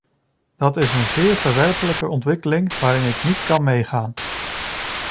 Dat is een zeer verwerpelijke ontwikkeling waarin ik niet kan meegaan.